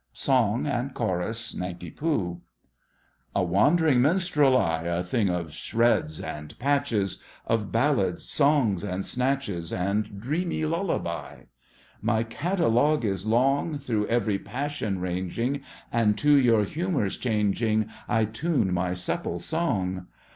SONG and CHORUS—NANKI POO. A wandering minstrel I— A thing of shreds and patches, Of ballads, songs and snatches, And dreamy lullaby! My catalogue is long, Through every passion ranging, And to your humours changing I tune my supple song!